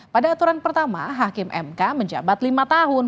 pada aturan pertama hakim mk menjabat lima tahun